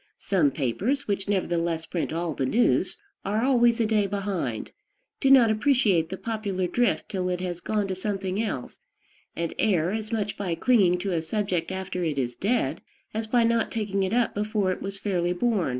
Some papers, which nevertheless print all the news, are always a day behind, do not appreciate the popular drift till it has gone to something else, and err as much by clinging to a subject after it is dead as by not taking it up before it was fairly born.